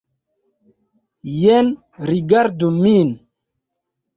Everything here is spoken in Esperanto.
Jen, rigardu min.